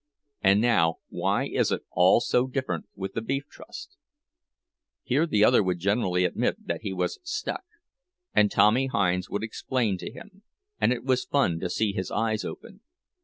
And now, why is it all so different with the Beef Trust?" Here the other would generally admit that he was "stuck"; and Tommy Hinds would explain to him, and it was fun to see his eyes open.